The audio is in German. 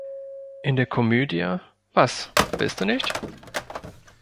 In der Komödie "Was, du willst nicht?